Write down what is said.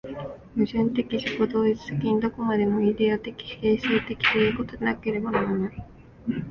矛盾的自己同一的に、どこまでもイデヤ的形成的ということでなければならない。